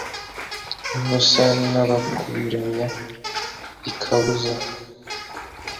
Ntusa nabakubiranya ikabuza